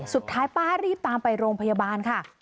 สุดท้ายป้ารีบตามไปโรงพยาบาลค่ะ